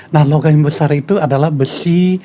nah logam besar itu adalah besi